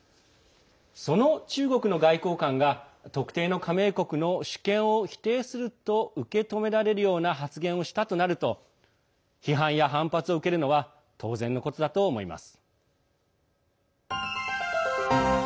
その中国の外交官が特定の加盟国の主権を否定すると受け止められるような発言をしたとなると批判や反発を受けるのは当然のことだと思います。